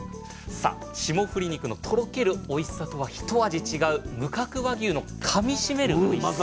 さあ霜降り肉の「とろけるおいしさ」とは一味違う無角和牛の「かみしめるおいしさ」。